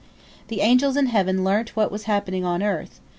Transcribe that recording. The angels in heaven learnt what was happening on earth.